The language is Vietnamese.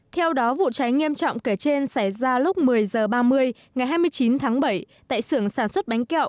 theo đó vụ cháy nghiêm trọng kể trên xảy ra lúc một mươi h ba mươi ngày hai mươi chín tháng bảy tại sưởng sản xuất bánh kẹo